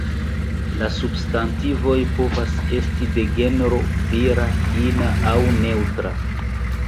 La substantivoj povas esti de genro vira, ina aŭ neŭtra.